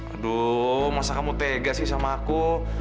aduh masa kamu tega sih sama aku